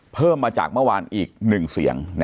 เพิ่มมาจากเมื่อวานอีก๑เสียง